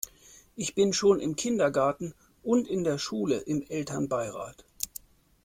Ich bin schon im Kindergarten und in der Schule im Elternbeirat.